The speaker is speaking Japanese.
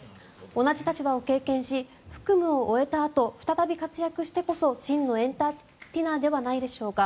同じ立場を経験し服務を終えたあと再び活躍してこそ真のエンターテイナーではないでしょうか。